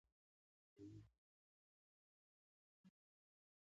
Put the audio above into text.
پر یوه زاړه خامه سړک تر څو دقیقې مزل وروسته.